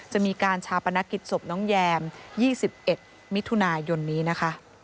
จะมีการชาปนกิจศพน้องแยม๒๑มิถุนายนนี้นะคะ